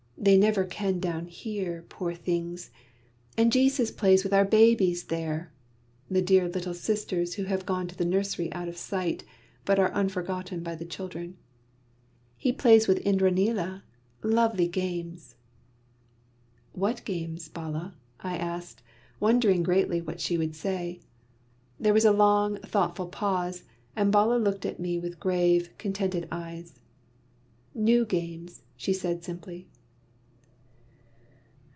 They never can down here, poor things! And Jesus plays with our babies there" (the dear little sisters who have gone to the nursery out of sight, but are unforgotten by the children). "He plays with Indraneela lovely games." "What games, Bala?" I asked, wondering greatly what she would say. There was a long, thoughtful pause, and Bala looked at me with grave, contented eyes: "New games," she said simply.